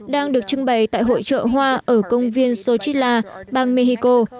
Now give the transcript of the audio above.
đang được trưng bày tại hội trợ hoa ở công viên sochila bang mexico